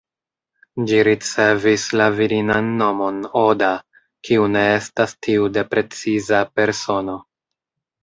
Ĝi ricevis la virinan nomon ""Oda"", kiu ne estas tiu de preciza persono.